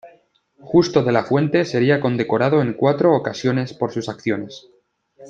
Justo de la Fuente sería condecorado en cuatro ocasiones por sus acciones.